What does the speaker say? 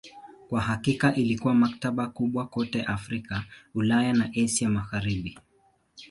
Kwa hakika ilikuwa maktaba kubwa kote Afrika, Ulaya na Asia ya Magharibi.